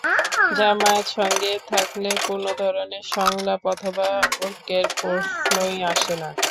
জামায়াত সঙ্গে থাকলে কোনো ধরনের সংলাপ অথবা ঐক্যের প্রশ্নই আসে না।